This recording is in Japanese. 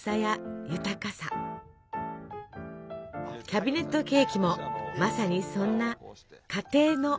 キャビネットケーキもまさにそんな「家庭の」